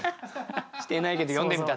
してないけど詠んでみた。